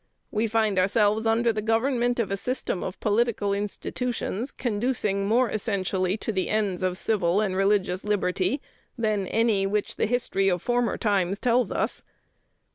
We find ourselves under the government of a system of political institutions conducing more essentially to the ends of civil and religious liberty than any of which the history of former times tells us.